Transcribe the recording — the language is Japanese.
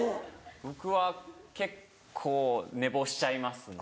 僕は結構寝坊しちゃいますね。